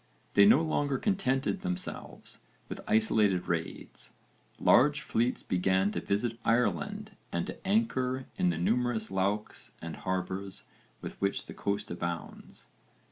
They no longer contented themselves with isolated raids: large fleets began to visit Ireland and to anchor in the numerous loughs and harbours with which the coast abounds.